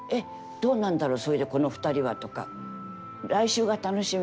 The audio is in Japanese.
どうなんだろうそれでこの２人はとか。来週が楽しみ。